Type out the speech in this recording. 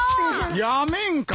やめんか！